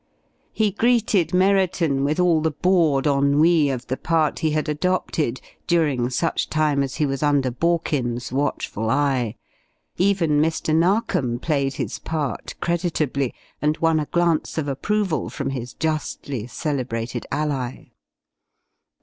He greeted Merriton with all the bored ennui of the part he had adopted, during such time as he was under Borkins' watchful eye. Even Mr. Narkom played his part creditably, and won a glance of approval from his justly celebrated ally.